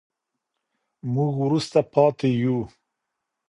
موږ وروسته پاتې يو.